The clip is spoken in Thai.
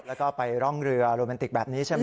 แล้วก็ไปร่องเรือโรแมนติกแบบนี้ใช่ไหม